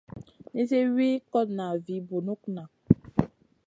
Nizi wi kotna vi bunukŋa.